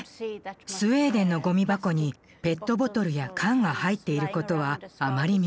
スウェーデンのゴミ箱にペットボトルや缶が入っていることはあまり見かけません。